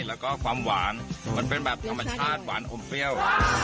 แล้วก็ความหวานมันเป็นแบบธรรมชาติหวานอมเปรี้ยว